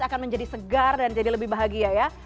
akan menjadi segar dan jadi lebih bahagia ya